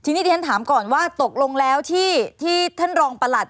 ทีนี้ที่ฉันถามก่อนว่าตกลงแล้วที่ท่านรองประหลัด